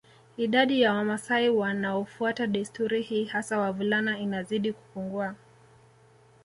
Idadi ya Wamasai wanaofuata desturi hii hasa wavulana inazidi kupungua